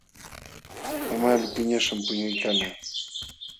Amalu piñaśhqam puñuykalqa.